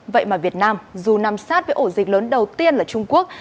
vậy mà việt nam dù nằm sát với ổ dịch lớn đầu tiên là trung quốc